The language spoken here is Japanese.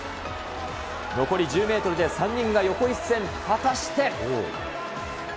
残り１０メートルで３人が横一線、果たして。